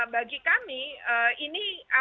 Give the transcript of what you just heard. bagi kami ini